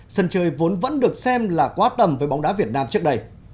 sân chơi vốn vẫn được xem là quá tầm với bóng đá việt nam trước đây